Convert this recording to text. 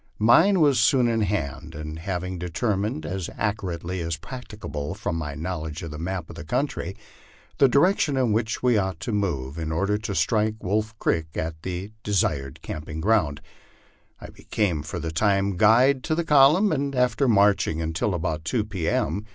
Mine was soon in my hand, and having determined as accurately as practicable, from my knowledge of the map of the country, the direction in which we ought to move in order to strike Wolf creek at the de sired camping ground, I became for the time guide to the column, and after marching until about two P. M.